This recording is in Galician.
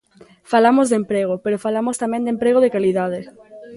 Falamos de emprego, pero falamos tamén de emprego de calidade.